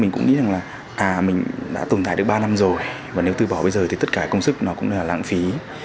mình cũng nghĩ rằng là mình đã tồn tại được ba năm rồi và nếu từ bỏ bây giờ thì tất cả công sức nó cũng là lãng phí